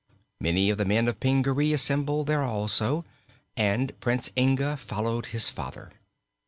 Many of the men of Pingaree assembled there also, and Prince Inga followed his father.